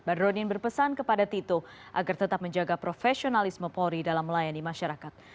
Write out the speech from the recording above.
badrodin berpesan kepada tito agar tetap menjaga profesionalisme polri dalam melayani masyarakat